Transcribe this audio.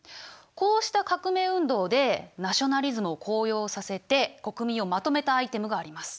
こうした革命運動でナショナリズムを高揚させて国民をまとめたアイテムがあります。